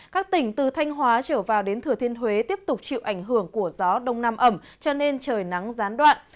các tỉnh từ thanh hóa trở vào đến thừa thiên huế tiếp tục chịu ảnh hưởng của gió đông nam ẩm cho nên trời nắng gián đoạn